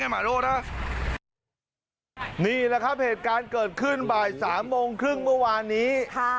นี่แหละครับเหตุการณ์เกิดขึ้นบ่าย๓โมงครึ่งเมื่อวานนี้